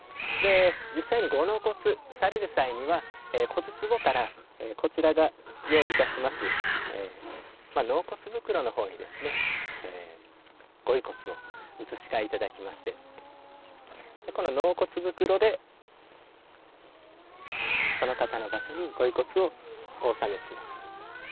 実際にご納骨される際には、骨つぼからこちらが用意いたします、納骨袋のほうにですね、ご遺骨を移し替えいたしまして、この納骨袋で、その方の場所にご遺骨をお納めします。